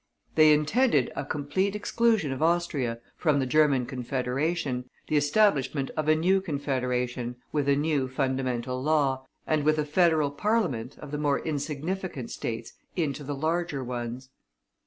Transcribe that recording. They intended a complete exclusion of Austria from the German Confederation, the establishment of a new Confederation, with a new fundamental law, and with a Federal Parliament, of the more insignificant States into the larger ones.